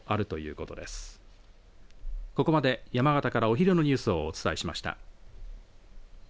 ここまで山形からお昼のニュースをお伝えしました。